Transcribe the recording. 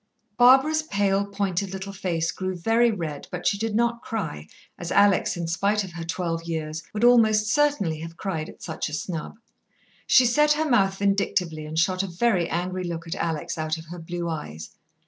Barbara's pale, pointed little face grew very red, but she did not cry, as Alex, in spite of her twelve years, would almost certainly have cried at such a snub. She set her mouth vindictively and shot a very angry look at Alex out of her blue eyes.